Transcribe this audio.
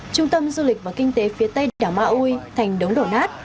trung tâm du lịch và kinh tế phía tây đảo maui thành đống đổ nát